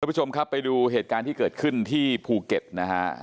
ผู้ชมครับไปดูเหตุการณ์ที่เกิดขึ้นที่ภูเก็ตนะฮะ